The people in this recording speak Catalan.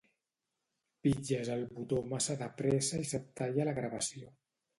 Pitges el botó massa de pressa i se't talla la gravació